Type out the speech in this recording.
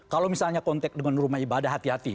kalau misalnya kontak dengan rumah ibadah hati hati